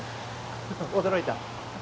驚いた？